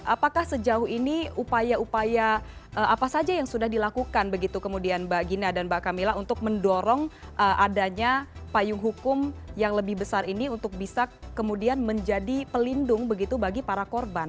apakah sejauh ini upaya upaya apa saja yang sudah dilakukan begitu kemudian mbak gina dan mbak camilla untuk mendorong adanya payung hukum yang lebih besar ini untuk bisa kemudian menjadi pelindung begitu bagi para korban